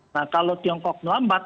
nah kalau tiongkok melambat